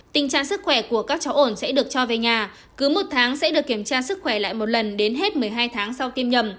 tình trạng sức khỏe của các cháu ổn sẽ được cho về nhà cứ một tháng sẽ được kiểm tra sức khỏe lại một lần đến hết một mươi hai tháng sau tiêm nhầm